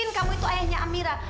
mungkin kamu itu ayahnya amira